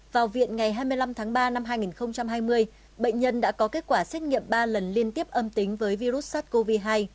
vào viện ngày hai mươi năm tháng ba năm hai nghìn hai mươi bệnh nhân đã có kết quả xét nghiệm ba lần liên tiếp âm tính với virus sars cov hai